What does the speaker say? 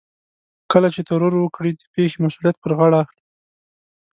کله چې ترور وکړي د پېښې مسؤليت پر غاړه اخلي.